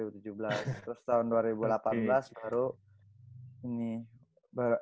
terus tahun dua ribu delapan belas baru ini